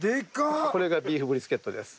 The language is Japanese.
これがビーフブリスケットです。